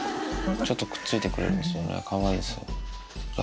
ちょっとくっついてくるんですよね、かわいいです。